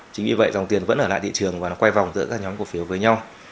chính vì vậy dòng tiền vẫn ở lại thị trường và nó quay vòng giữa các nhóm cổ phiếu với nhau